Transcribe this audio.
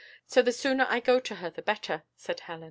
So the sooner I go to her the better," said Helen.